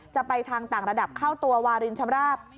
จะไปทางต่างระดับเข้าตัววารินชำราบ